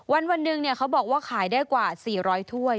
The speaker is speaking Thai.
วันหนึ่งเขาบอกว่าขายได้กว่า๔๐๐ถ้วย